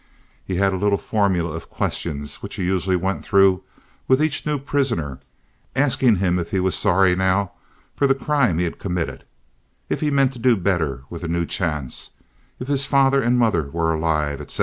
He had a little formula of questions which he usually went through with each new prisoner—asking him if he was sorry now for the crime he had committed, if he meant to do better with a new chance, if his father and mother were alive, etc.